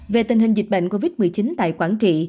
về tình hình dịch bệnh covid một mươi chín tại quảng trị